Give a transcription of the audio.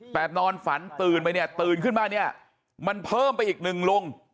แต่นอนฝันตื่นไปเนี่ยตื่นขึ้นมาเนี่ยมันเพิ่มไปอีกหนึ่งลุง